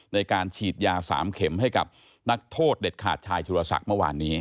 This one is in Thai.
ในการฉีดยา๓เข็มให้กับนักโทษเด็ดขาดชายสุรศักดิ์เมื่อวานนี้